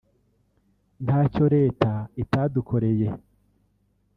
ntacyo leta itadukoreye